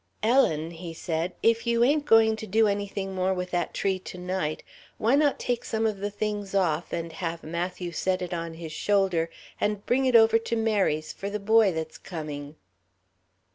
"Ellen," he said, "if you ain't going to do anything more with that tree to night, why not take some of the things off, and have Matthew set it on his shoulder, and bring it over to Mary's for the boy that's coming?"